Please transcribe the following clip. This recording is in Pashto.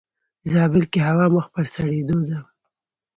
زابل کې هوا مخ پر سړيدو ده.